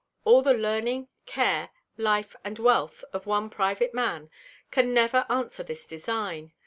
All the Learning, Care, Life and Wealth of one Private Man can never answer this Design.